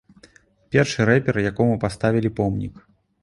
Першы рэпер, якому паставілі помнік.